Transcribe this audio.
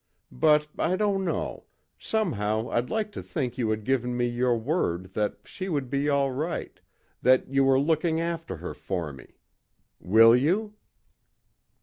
But, I don't know, somehow I'd like to think you had given me your word that she would be all right, that you were looking after her for me. Will you?"